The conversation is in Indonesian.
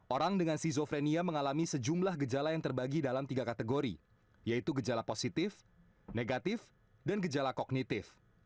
orang dengan skizofrenia mengalami sejumlah gejala yang terbagi dalam tiga kategori yaitu gejala positif negatif dan gejala kognitif